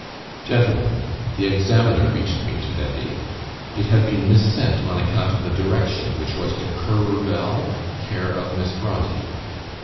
"Gentlemen, The Examiner reached me to day; it had been missent on account of the direction, which was to Currer Bell, care of Miss Brontë.